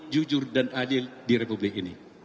jujur dan adil di republik ini